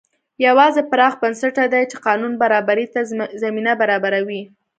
یوازې پراخ بنسټه دي چې قانون برابرۍ ته زمینه برابروي.